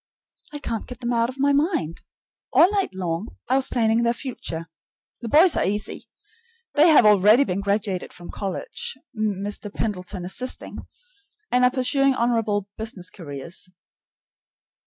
I can't get them out of my mind. All night long I was planning their future. The boys are easy. They have already been graduated from college, Mr. Pendleton assisting, and are pursuing honorable business careers.